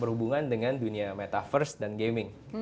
berhubungan dengan dunia metaverse dan gaming